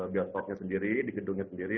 bioskopnya sendiri di gedungnya sendiri